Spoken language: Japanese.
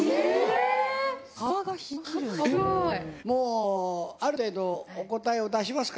もうある程度お答えを出しますか？